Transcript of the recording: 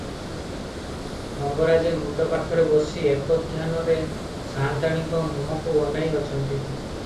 ମଙ୍ଗରାଜେ ମୁଣ୍ତ ପାଖରେ ବସି ଏକଧ୍ୟନରେ ସାଆନ୍ତାଣୀଙ୍କ ମୁହଁକୁ ଅନାଇ ଅଛନ୍ତି ।